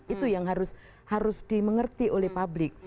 itu yang harus dimengerti oleh publik